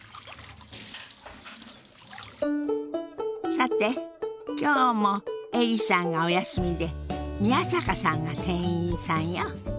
さて今日もエリさんがお休みで宮坂さんが店員さんよ。